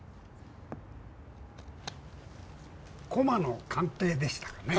駒の鑑定でしたかね。